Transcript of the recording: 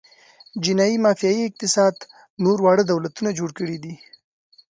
جنايي مافیايي اقتصاد نور واړه دولتونه جوړ کړي دي.